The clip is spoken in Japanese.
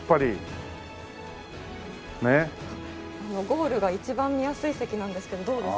ゴールが一番見やすい席なんですけどどうですか？